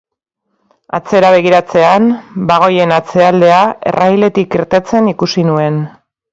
Atzera begiratzean, bagoien atzealdea errailetik irtetzen ikusi nuen.